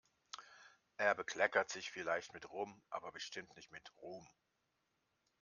Er bekleckert sich vielleicht mit Rum, aber bestimmt nicht mit Ruhm.